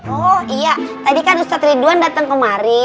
oh iya tadi kan ustad ridwan dateng kemari